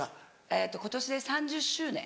えっと今年で３０周年。